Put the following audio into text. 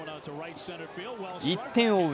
１点を追う